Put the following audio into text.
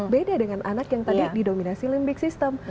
beda dengan anak yang tadi didominasi limbik system